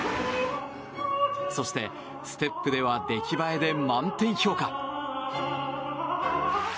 そして、ステップでは出来栄えで満点評価。